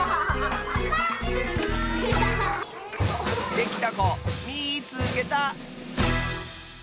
できたこみいつけた！